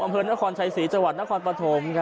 อำเภอนครชัยศรีจนครปฐม